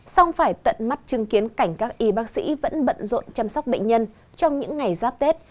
xong phải tận mắt chứng kiến cảnh các y bác sĩ vẫn bận rộn chăm sóc bệnh nhân trong những ngày giáp tết